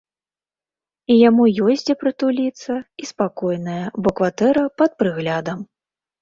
І яму ёсць дзе прытуліцца, і спакойная, бо кватэра пад прыглядам.